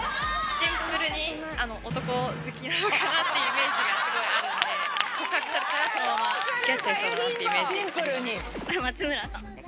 シンプルに男好きなのかなっていうイメージすごいあるので、告白されたらそのままつきあっちゃいそうというイメージあります松村さん。